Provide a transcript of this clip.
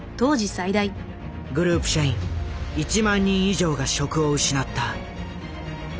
グループ社員１万人以上が職を失った。